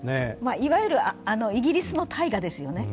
いわゆるイギリスの大河ですよね。